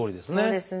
そうですね。